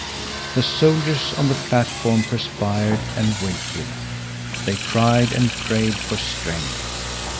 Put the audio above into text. The soldiers on the platform perspired and wilted. They cried and prayed for strength.